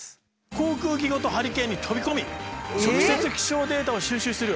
航空機ごとハリケーンに飛び込み直接気象データを収集する。